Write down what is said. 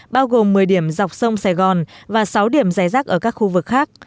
bao gồm một mươi điểm dọc sông sài gòn và sáu điểm dài rác ở các khu vực khác